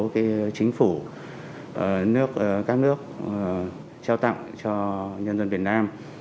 của chính phủ các nước trao tặng cho nhân dân việt nam